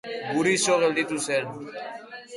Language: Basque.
Guri so gelditu zen.